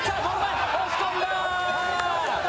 押し込んだー！